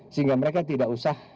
sehingga mereka tidak usah